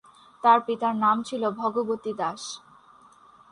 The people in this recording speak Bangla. তার পিতার নাম ছিল ভগবতী দাস।